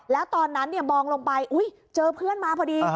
แล้วตอนนั้นมองลงไปเจอเพื่อนมาพอดี